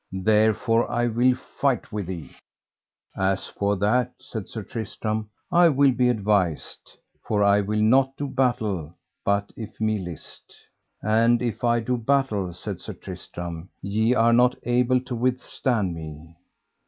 therefore I will fight with thee. As for that, said Sir Tristram, I will be advised, for I will not do battle but if me list. And if I do battle, said Sir Tristram, ye are not able to withstand me.